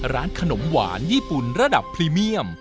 ร้านขนมหวานญี่ปุ่นระดับพรีเมียม